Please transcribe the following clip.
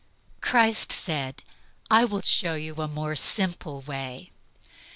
Christ came and said, "I will show you a more simple way.